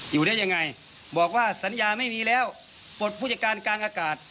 อยู่ได้ยังไงบอกว่าสัญญาไม่มีแล้วปลดผู้จัดการกลางอากาศ